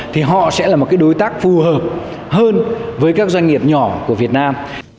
thì họ sẽ là một đối tác phù hợp hơn với các doanh nghiệp nhỏ của việt nam